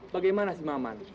bagaimana sih maman